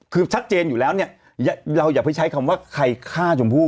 คือชัดเจนอยู่แล้วเนี่ยเราอย่าไปใช้คำว่าใครฆ่าชมพู่